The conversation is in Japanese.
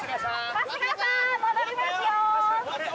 春日さん戻りますよ